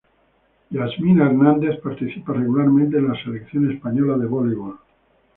Yasmina Hernández participa regularmente en la Selección Española de Voleibol.